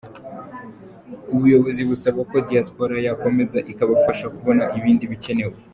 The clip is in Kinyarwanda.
Ubuyobozi busaba ko Diaspora yakomeza ikabafasha kubona ibindi bigikenewe.